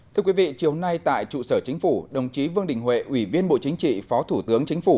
thưa quý vị chiều nay tại trụ sở chính phủ đồng chí vương đình huệ ủy viên bộ chính trị phó thủ tướng chính phủ